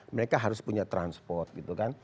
mereka harus punya transport gitu kan